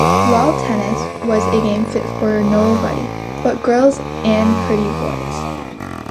Lawn-tennis was a game fit for nobody but girls and pretty boys.